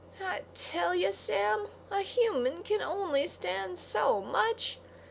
I tell you, Sam, a human can only stand so much.